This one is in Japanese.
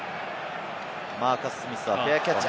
マーカス・スミスはフェアキャッチ。